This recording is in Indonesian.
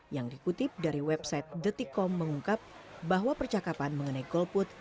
yang dikutip dari website detikom mengungkap bahwa percakapan mengenai golput